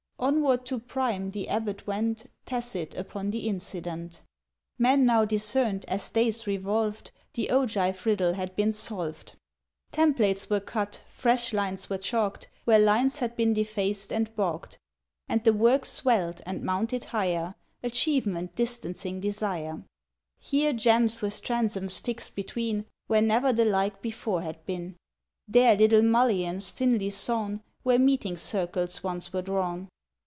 Onward to Prime the abbot went, Tacit upon the incident. —Men now discerned as days revolved The ogive riddle had been solved; Templates were cut, fresh lines were chalked Where lines had been defaced and balked, And the work swelled and mounted higher, Achievement distancing desire; Here jambs with transoms fixed between, Where never the like before had been— There little mullions thinly sawn Where meeting circles once were drawn.